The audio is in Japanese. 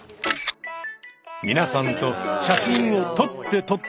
皆さんと写真を撮って撮って撮りまくる